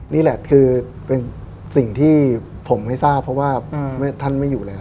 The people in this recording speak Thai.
นี่แหละคือเป็นสิ่งที่ผมไม่ทราบเพราะว่าท่านไม่อยู่แล้ว